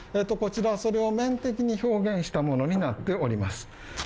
こちらはそれを面的に表現したものになっております